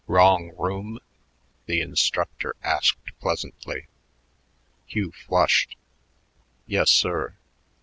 "Wrong room?" the instructor asked pleasantly. Hugh flushed. "Yes, sir."